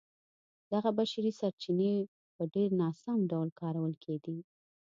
دغه بشري سرچینې په ډېر ناسم ډول کارول کېدې.